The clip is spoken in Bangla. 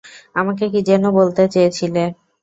আমাকে কী যেন বলতে চেয়েছিলে!